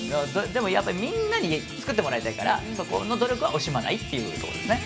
でもやっぱりみんなに作ってもらいたいからそこの努力は惜しまないっていうとこですね。